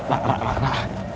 eh ra ra ra